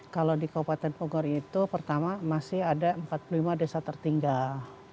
kalau di kabupaten bogor itu pertama masih ada empat puluh lima desa tertinggal